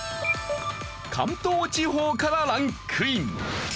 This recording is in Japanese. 関東地方からランクイン。